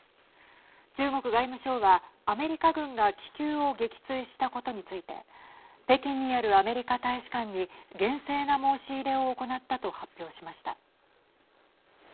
中国外務省はアメリカ軍が気球を撃墜したことについて北京にあるアメリカ大使館に厳正な申し入れを行ったと発表しました。